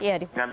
iya ditekan ya